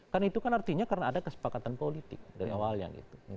karena itu kan artinya karena ada kesepakatan politik dari awal yang itu